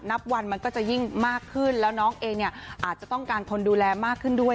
นับวันมันก็จะยิ่งมากขึ้นแล้วน้องเองเนี่ยอาจจะต้องการคนดูแลมากขึ้นด้วย